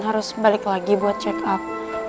harus balik lagi buat check up